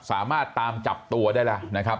สามารถตามจับตัวได้แล้วนะครับ